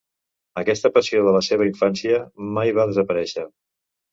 Aquesta passió de la seva infància mai va desaparèixer.